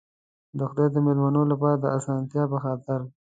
د خدای د مېلمنو لپاره د آسانتیا په خاطر.